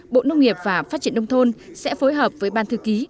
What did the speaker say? bộ nông nghiệp và phát triển nông thôn sẽ phối hợp với ban thư ký